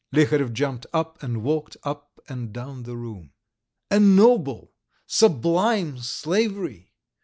Liharev jumped up and walked up and down the room. "A noble, sublime slavery!"